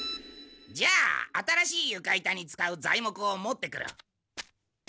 じゃあ新しいゆか板に使う材木を持ってくる。